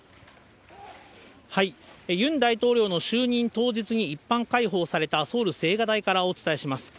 ユン大統領の就任当日に一般開放された、ソウル・青瓦台からお伝えします。